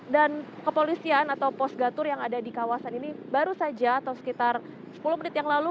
dan kepolisian atau posgatur yang ada di kawasan ini baru saja atau sekitar sepuluh menit yang lalu